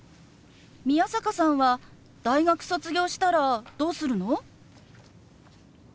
宮坂さんは大学卒業したらどうするの？